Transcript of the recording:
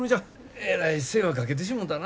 えらい世話かけてしもたな。